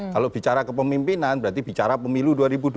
kalau bicara ke pemimpinan berarti bicara pemilu dua ribu dua puluh empat